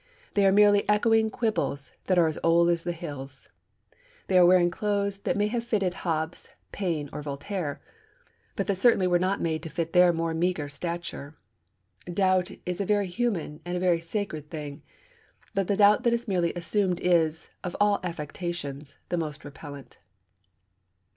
They are merely echoing quibbles that are as old as the hills; they are wearing clothes that may have fitted Hobbes, Paine, or Voltaire, but that certainly were not made to fit their more meagre stature. Doubt is a very human and a very sacred thing, but the doubt that is merely assumed is, of all affectations, the most repellent.